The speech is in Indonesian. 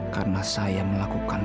karena saya melakukan